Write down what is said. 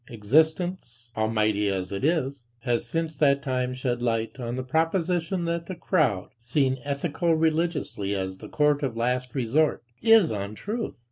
Existence, almighty as it is, has since that time shed light on the proposition that the crowd, seen ethico religiously as the court of last resort, is untruth.